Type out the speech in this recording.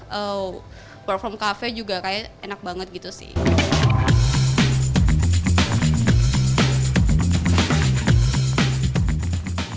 work from cafe juga kayak enak banget gitu sih